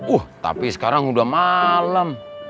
uh tapi sekarang udah malam